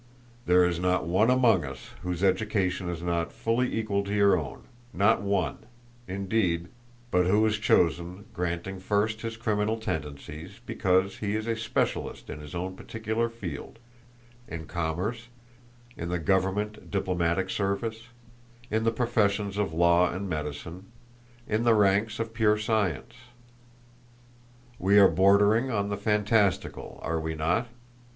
There is not one among us whose education is not fully equal to your own; not one, indeed, but who is chosen, granting first his criminal tendencies, because he is a specialist in his own particular field in commerce, in the government diplomatic service, in the professions of law and medicine, in the ranks of pure science. We are bordering on the fantastical, are we not?